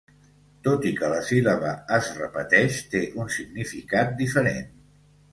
Tot i que la síl·laba es repeteix, té un significat diferent.